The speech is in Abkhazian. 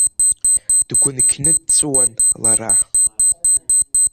Дгәынқьны дҵәуан лара.